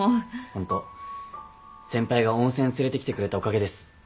ホント先輩が温泉連れてきてくれたおかげです。